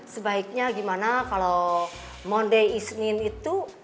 sebaiknya gimana kalau monday isnin itu